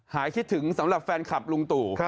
คิดถึงสำหรับแฟนคลับลุงตู่